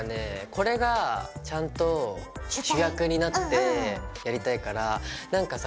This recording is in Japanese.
これがちゃんと主役になってやりたいからなんかさ